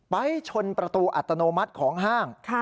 ไปชนประตูอัตโนมัติของห้าง